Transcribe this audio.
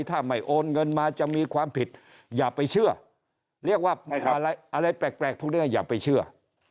ถ้าไม่โอนเงินมาจะมีความผิดอย่าไปเชื่อเรียกว่าอะไรแปลกพวกนี้อย่าไปเชื่อ